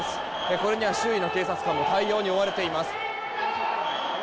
これには周囲の警察官も対応に追われています。